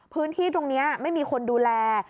พื้นที่ตรงนี้ไม่มีคนดูแล